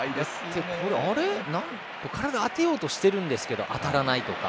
体を当てようとしているんですが当たらないとか。